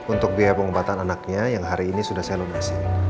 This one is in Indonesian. untuk biaya pengobatan anaknya yang hari ini sudah saya lunasi